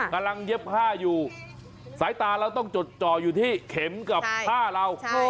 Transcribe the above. เย็บผ้าอยู่สายตาเราต้องจดจ่ออยู่ที่เข็มกับผ้าเรา